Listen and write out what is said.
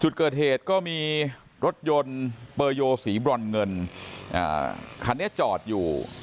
จุดเกิดเหตุก็มีรถยนต์เปอร์โยสีบรอนเงินคันนี้จอดอยู่